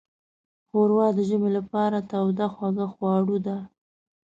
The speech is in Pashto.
ښوروا د ژمي لپاره توده خوږه خوړو ده.